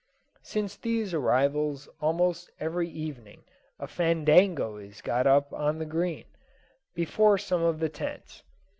Since these arrivals almost every evening a fandango is got up on the green, before some of the tents.